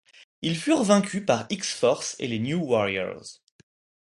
Ils furent vaincus par X-Force et les New Warriors.